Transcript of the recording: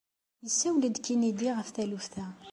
Yessawel-d Kennedy ɣef taluft-a.